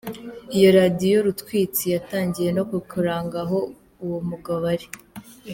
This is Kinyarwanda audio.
Iyo radiyo rutwitsi yatangiye no kuranga aho uwo mugabo ari.